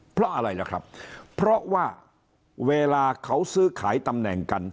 เพราะอะไรล่ะครับเพราะว่าเวลาเขาซื้อขายตำแหน่งกัน